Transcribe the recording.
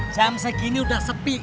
jam segini udah sepi